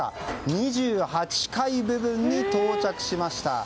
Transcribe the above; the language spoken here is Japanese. ２８階部分に到着しました。